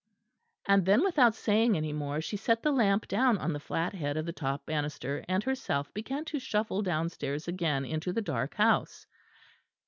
And then without saying any more, she set the lamp down on the flat head of the top banister and herself began to shuffle downstairs again into the dark house.